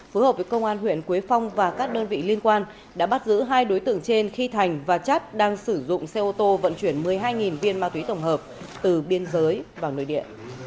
phối hợp với công an huyện quế phong và các đơn vị liên quan đã bắt giữ hai đối tượng trên khi thành và chất đang sử dụng xe ô tô vận chuyển một mươi hai viên ma túy tổng hợp từ biên giới vào nơi địa